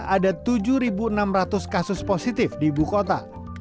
ada tujuh enam ratus kasus positif di ibu kota